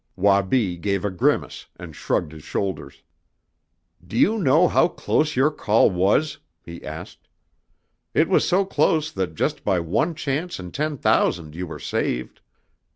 Wabi gave a grimace and shrugged his shoulders. "Do you know how close your call was?" he asked. "It was so close that just by one chance in ten thousand you were saved.